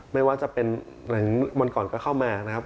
ไม่ว่าจะเป็นหลังวันก่อนก็เข้ามานะครับ